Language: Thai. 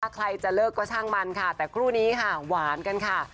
ใครจะเลิกก็ช่างมันค่ะแต่คู่นี้ค่ะหวานกันค่ะ